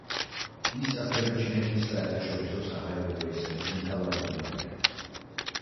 ის ასევე ჩინეთის საერთაშორისო საჰაერო რეისების მთავარი პუნქტია.